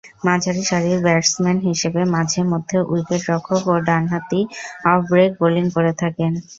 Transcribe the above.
মাঝারি সারির ব্যাটসম্যান হিসেবে মাঝে-মধ্যে উইকেট-রক্ষক ও ডানহাতি অফ-ব্রেক বোলিং করে থাকেন।